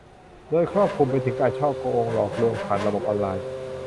โดยครอบคลุมไปถึงการฉ้อโกงหลอกลวงผ่านระบบออนไลน์